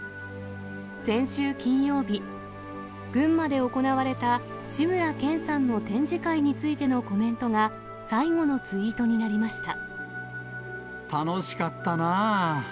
先週金曜日、群馬で行われた、志村けんさんの展示会についてのコメントが、楽しかったなぁ。